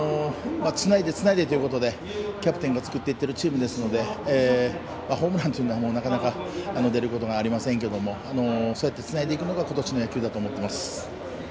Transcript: つないでつないでということでキャプテンが作っていってるチームなので、ホームランはなかなか出ることがありませんがそうやってつないでいくのがことしの野球だと思います。